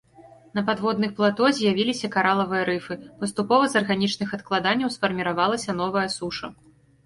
На падводных плато з'явіліся каралавыя рыфы, паступова з арганічных адкладанняў сфарміравалася новая суша.